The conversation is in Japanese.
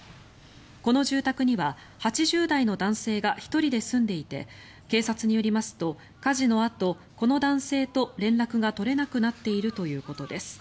この住宅には８０代の男性が１人で住んでいて警察によりますと、火事のあとこの男性と連絡が取れなくなっているということです。